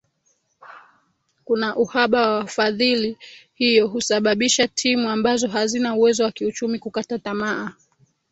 kuna uhaba wa wafadhiliː hiyo husababisha timu ambazo hazina uwezo wa kiuchumi kukata tamaa